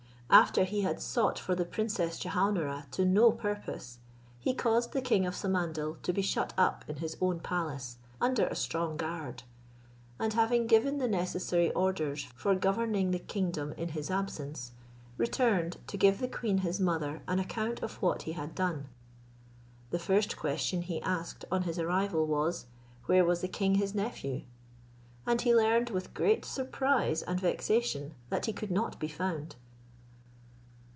After he had sought for the princess Jehaun ara to no purpose, he caused the king of Samandal to be shut up in his own palace, under a strong guard; and having given the necessary orders for governing the kingdom in his absence, returned to give the queen his mother an account of what he had done. The first question he asked on his arrival was, "Where was the king his nephew?" and he learned with great surprise and vexation that he could not be found.